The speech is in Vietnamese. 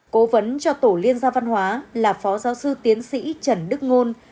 cố vấn cho tổ liên gia văn hóa là phó giáo sư tiến sĩ trần đức ngôn